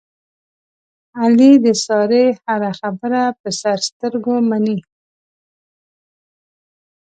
علي د سارې هره خبره په سر سترګو مني.